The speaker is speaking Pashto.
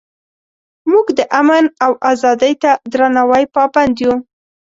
موږ د امن او ازادۍ ته درناوي پابند یو.